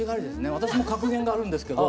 私も格言があるんですけど。